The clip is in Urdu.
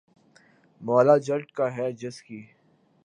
’مولا جٹ‘ کا ہے جس کی